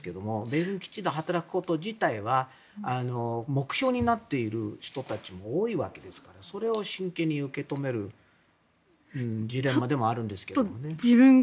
米軍基地で働くこと自体は目標になっている人たちも多いわけですからそれを真剣に受け止めるジレンマでもあるんですけどね。